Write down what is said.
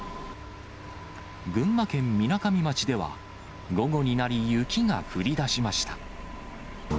群馬県みなかみ町では、午後になり、雪が降りだしました。